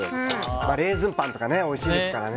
レーズンパンとかおいしいですからね。